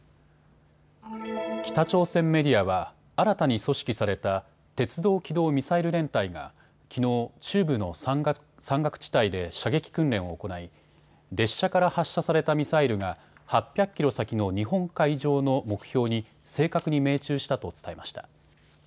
北朝鮮メディアは新たに組織された鉄道機動ミサイル連隊がきのう中部の山岳地帯で射撃訓練を行い列車から発射されたミサイルが８００キロ先の日本海上の目標に正確に命中したと伝えました。